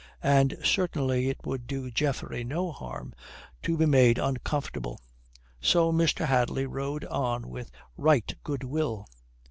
And certainly it would do Geoffrey no harm to be made uncomfortable. So Mr. Hadley rode on with right good will.